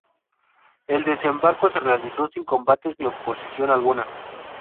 El desembarco se realizó sin combates ni oposición alguna.